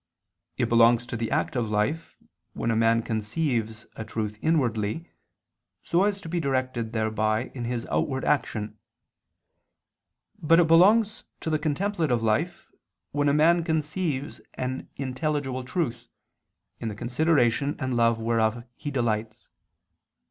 It belongs to the active life, when a man conceives a truth inwardly, so as to be directed thereby in his outward action; but it belongs to the contemplative life when a man conceives an intelligible truth, in the consideration and love whereof he delights.